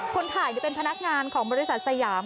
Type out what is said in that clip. คนถ่ายเป็นพนักงานของบริษัทสยาม